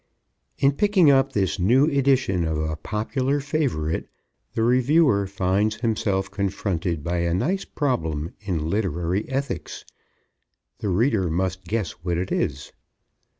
In picking up this new edition of a popular favorite, the reviewer finds himself confronted by a nice problem in literary ethics. The reader must guess what it is.